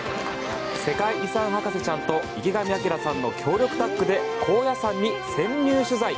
世界遺産博士ちゃんと池上彰さんの強力タッグで高野山に潜入取材。